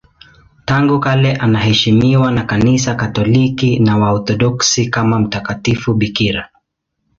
Tangu kale anaheshimiwa na Kanisa Katoliki na Waorthodoksi kama mtakatifu bikira.